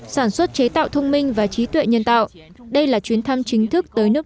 sản xuất chế tạo thông minh và trí tuệ nhân tạo